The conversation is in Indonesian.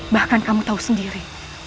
bahkan kamu tahu sendiri